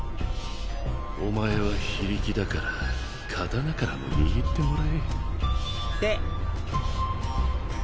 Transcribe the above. お前は非力だから刀からも握ってもらえって。